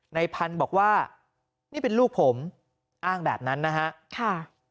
ในพันธุ์บอกว่านี่เป็นลูกผมอ้างแบบนั้นนะฮะค่ะ